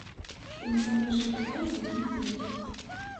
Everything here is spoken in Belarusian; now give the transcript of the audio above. Што насамрэч адбываецца, я не ведаю.